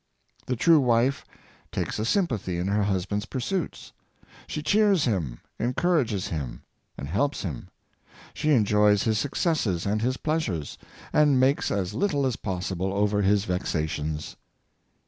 The true wife takes a sympathy in her husband's pursuits. She cheers him, encourages him, and helps him. She enjoys his successes and his pleasures, and makes as little as possible over his vexations.